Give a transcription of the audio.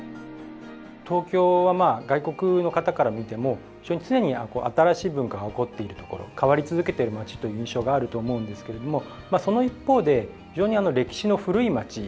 東京は外国の方から見ても非常に常に新しい文化が興っている所変わり続けている町という印象があると思うんですけれどもその一方で非常に歴史の古い町でもあると思うんですよね。